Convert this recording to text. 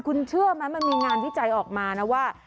คุณเชื่อไหมมันมีงานวิจัยออกมานะว่า